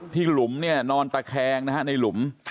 หลุมเนี่ยนอนตะแคงนะฮะในหลุม